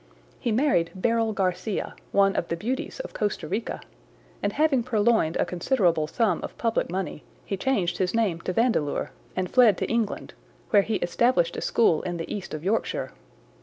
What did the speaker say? He married Beryl Garcia, one of the beauties of Costa Rica, and, having purloined a considerable sum of public money, he changed his name to Vandeleur and fled to England, where he established a school in the east of Yorkshire.